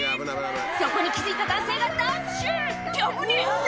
そこに気付いた男性がダッシュ！って危ねぇ！